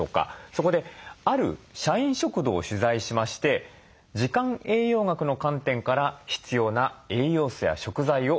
そこである社員食堂を取材しまして時間栄養学の観点から必要な栄養素や食材をチェックして頂きました。